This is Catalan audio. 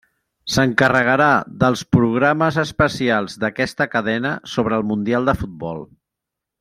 S'encarregarà dels programes especials d'aquesta cadena sobre el Mundial de futbol.